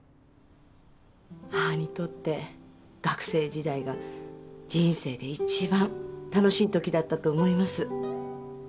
母にとって学生時代が人生で一番楽しいときだったと思います。